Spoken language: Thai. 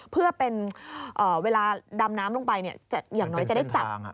เพื่อเป็นเอ่อเวลาดำน้ำลงไปเนี้ยจะอย่างน้อยจะได้จับเป็นเส้นทางอ่ะ